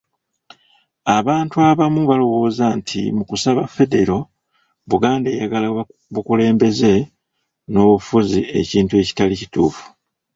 Abantu abamu balowooza nti mu kusaba Federo, Buganda eyagala bukulembeze n’obufuzi ekintu ekitali kituufu.